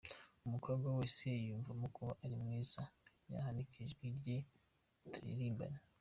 Umukobwa wese wiyumvamo kuba ari mwiza nahanike ijwi rye turirimbane.